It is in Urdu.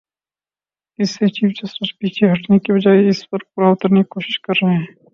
اس سے چیف جسٹس پیچھے ہٹنے کی بجائے اس پر پورا اترنے کی کوشش کر رہے ہیں۔